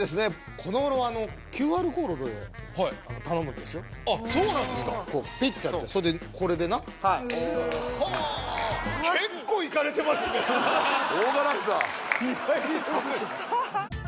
この頃あのＱＲコードで頼むんですよあっそうなんですかこうピッてやってそれでこれでなはいオーガナイザー意外とね